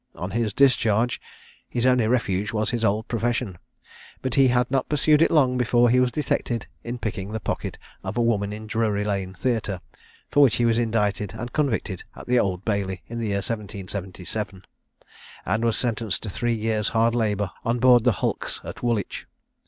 On his discharge, his only refuge was his old profession: but he had not pursued it long before he was detected in picking the pocket of a woman in Drury lane Theatre, for which he was indicted and convicted at the Old Bailey in the year 1777, and was sentenced to three years' hard labour on board the hulks at Woolwich.